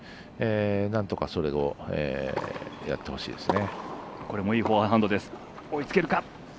なんとか、それをやってほしいですね。